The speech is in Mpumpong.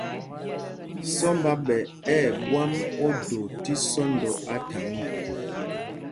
Sɔmb a ɓɛ ɛ̂ ɓwok ódō tí sɔ́ndɔ á thaŋ ɔ.